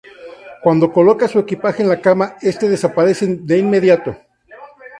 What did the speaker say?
Cuando coloca su equipaje en la cama, este desaparece de inmediato.